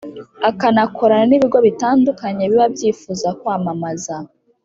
akanakorana n’ibigo bitandukanye biba byifuza kwamamaza.